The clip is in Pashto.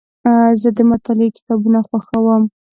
زه د مطالعې کتابونه خوښوم.